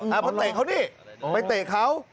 เพราะเตะเขานี่ไปเตะเขา